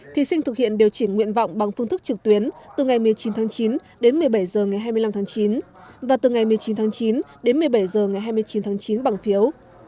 thí sinh thực hiện điều chỉnh nguyện vọng bằng phương thức trực tuyến từ ngày một mươi chín tháng chín đến một mươi bảy h ngày hai mươi năm tháng chín và từ ngày một mươi chín tháng chín đến một mươi bảy h ngày hai mươi chín tháng chín bằng phiếu